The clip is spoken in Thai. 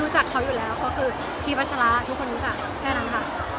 แล้วตอนนี้อยู่เขาเรียกว่าอยู่เป็นโสดโอเครอะครับ